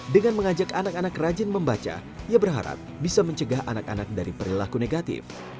dengan mengajak anak anak rajin membaca ia berharap bisa mencegah anak anak dari perilaku negatif